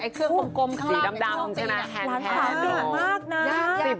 ไอ้เครื่องกลมข้างล่างสีดำใช่ไหมแฮนด์แพนหรอหลานสาวมากนะยากมาก